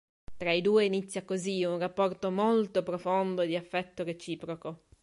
Tra i due inizia così un rapporto molto profondo e di affetto reciproco.